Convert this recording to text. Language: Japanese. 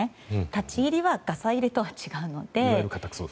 立ち入りはガサ入れとは違うので。